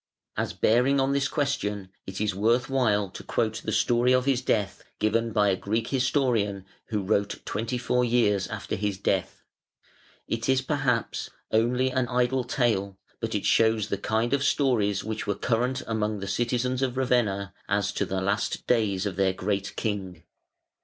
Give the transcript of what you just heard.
As bearing on this question it is worth while to quote the story of his death given by a Greek historian who wrote twenty four years after his death. It is, perhaps, only an idle tale, but it shows the kind of stories which were current among the citizens of Ravenna as to the last days of their great king.